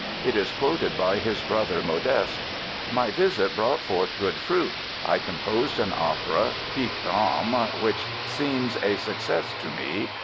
It is quoted by his brother Modeste: "My visit brought forth good fruit. I composed an opera, 'Pique Dame,' which seems a success to me....